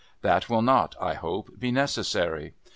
That will not, I hope, be necessary.